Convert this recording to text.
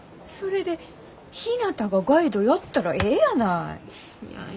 それでひなたがガイドやったらええやない。